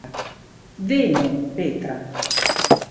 Venu, Petra.